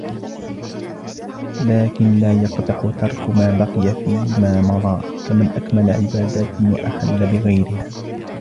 لَكِنْ لَا يَقْدَحُ تَرْكُ مَا بَقِيَ فِيمَا مَضَى كَمَنْ أَكْمَلَ عِبَادَاتٍ وَأَخَلَّ بِغَيْرِهَا